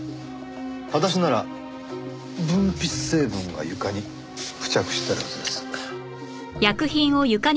裸足なら分泌成分が床に付着してるはずです。